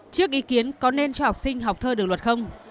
trước ý kiến có nên cho học sinh học thơ được luật không